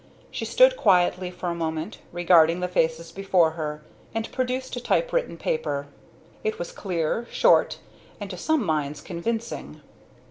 She stood quietly for a moment, regarding the faces before her, and produced a typewritten paper. It was clear, short, and to some minds convincing.